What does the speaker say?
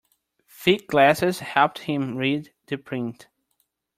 Thick glasses helped him read the print.